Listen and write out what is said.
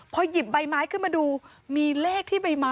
พอหยิบใบไม้ขึ้นมาดูมีเลขที่ใบไม้